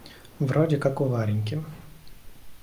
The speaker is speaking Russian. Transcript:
В роде как у Вареньки.